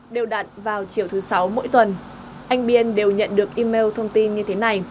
đều đặn vào chiều thứ sáu mỗi tuần anh biên đều nhận được email thông tin như thế này